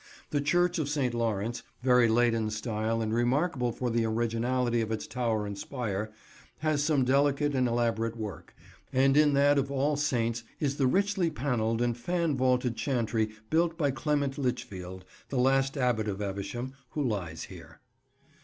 The church of St. Lawrence, very late in style and remarkable for the originality of its tower and spire, has some delicate and elaborate work; and in that of All Saints is the richly panelled and fan vaulted chantry built by Clement Lichfield, the last Abbot of Evesham, who lies here.